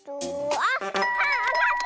あっわかった！